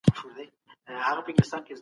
د پښتو ژبي لپاره یووالی مهم دی.